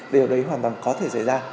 điều đấy hoàn toàn có thể xảy ra